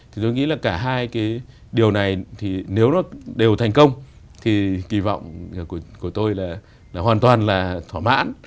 thì tôi nghĩ là cả hai cái điều này thì nếu nó đều thành công thì kỳ vọng của tôi là hoàn toàn là thỏa mãn